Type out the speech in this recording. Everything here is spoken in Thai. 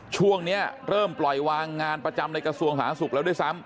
ช่วงนี้เริ่มปล่อยวางงานประจำในกระทรวงสาธารณสุขแล้วด้วยซ้ำ